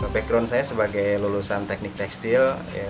background saya sebagai lulusan teknik tekstil